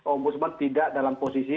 om budsman tidak dalam posisi